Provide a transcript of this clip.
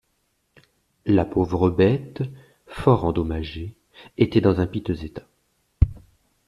La pauvre bête, fort endommagée, était dans un piteux état.